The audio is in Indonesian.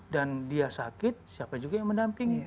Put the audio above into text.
dan dia sakit siapa juga yang mendamping